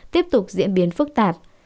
tiếp tục diễn biến phức tạp